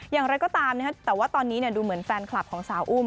อย่างไรก็ตามนะครับแต่ว่าตอนนี้ดูเหมือนแฟนคลับของสาวอุ้ม